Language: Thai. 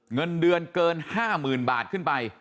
เงินเดือนเกิน๕๐๐๐บาทขึ้นไป